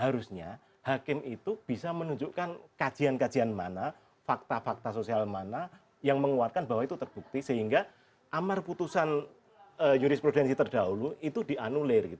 harusnya hakim itu bisa menunjukkan kajian kajian mana fakta fakta sosial mana yang menguatkan bahwa itu terbukti sehingga amar putusan jurisprudensi terdahulu itu dianulir